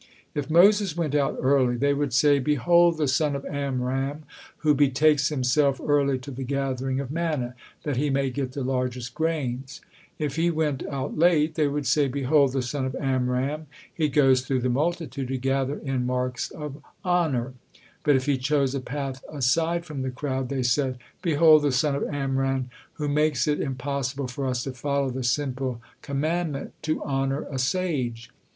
If Moses went out early, they would say: "Behold the son of Amram, who betakes himself early to the gathering of manna, that he may get the largest grains." If he went out late, they would say: "Behold the son of Amram, he goes through the multitude, to gather in marks of hone." But if he chose a path aside from the crowd, they said: "Behold the son of Amram, who makes it impossible for us to follow the simple commandment, to hone a sage."